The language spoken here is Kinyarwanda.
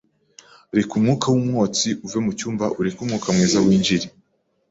Reka umwuka wumwotsi uve mucyumba ureke umwuka mwiza winjire.